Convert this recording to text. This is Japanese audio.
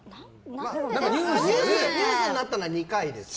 ニュースになったのは２回ですよ。